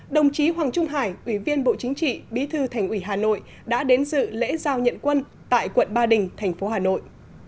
đồng chí hoàng trung hải ủy viên bộ chính trị bí thư thành ủy hà nội đã đến dự lễ giao nhận quân tại quận ba đình thành phố hà nội